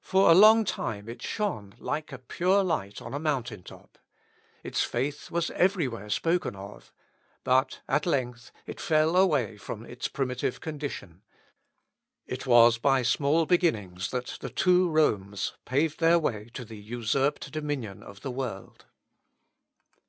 For a long time it shone like a pure light on a mountain top. Its faith was everywhere spoken of; but at length it fell away from its primitive condition. It was by small beginnings that the two Romes paved their way to the usurped dominion of the world.